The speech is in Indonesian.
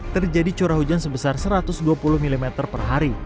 terjadi curah hujan sebesar satu ratus dua puluh mm per hari